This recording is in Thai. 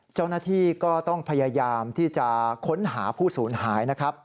เจ้าหน้าที่ก็ต้องพยายามที่จะค้นหาผู้สูญหายนะครับ